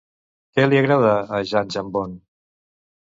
Què li agrada a Jan Jambon?